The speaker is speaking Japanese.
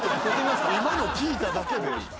今の聞いただけで。